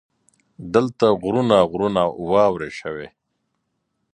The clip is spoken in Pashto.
دلته غرونه غرونه واورې شوي.